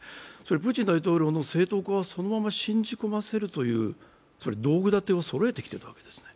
プーチン大統領の正当化をそのまま信じ込ませるという道具立てをそろえてきているんですね。